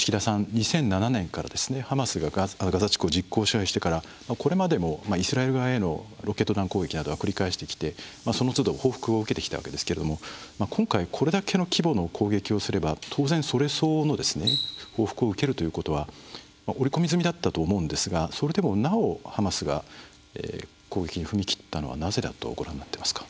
２００７年からハマスがガザ地区を実効支配してからこれまでもイスラエル側へのロケット弾攻撃などは繰り返してきてそのつど報復を受けてきたわけですけれども今回これだけの規模の攻撃をすれば当然それ相応の報復を受けるということは織り込み済みだったと思うんですがそれでもなおハマスが攻撃に踏み切ったのはなぜだとご覧になっていますか？